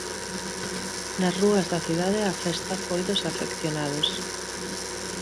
Nas rúas da cidade a festa foi dos afeccionados.